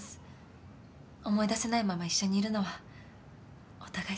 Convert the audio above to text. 思い出せないまま一緒にいるのはお互いつらいので。